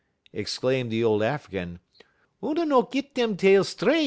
exclaimed the old African, "Oona no git dem tale stret.